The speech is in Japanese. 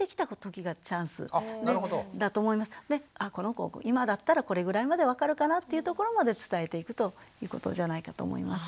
でこの子今だったらこれぐらいまで分かるかなっていうところまで伝えていくということじゃないかと思います。